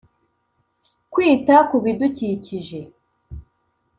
kwita kubidukikije